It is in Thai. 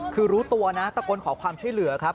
คือรู้ตัวนะตะโกนขอความช่วยเหลือครับ